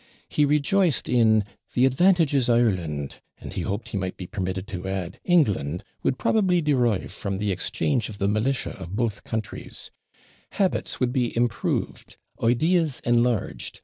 He rejoiced in the advantages Ireland, and he hoped he might be permitted to add, England, would probably derive from the exchange of the militia of both countries; habits would be improved, ideas enlarged.